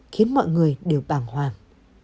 khiến mọi người đều bàng hoàng